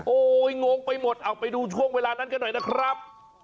โอ้โหงงไปหมดเอาไปดูช่วงเวลานั้นกันหน่อยนะครับ